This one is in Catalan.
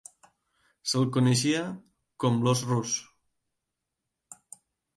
Se'l coneixia com l'"os rus".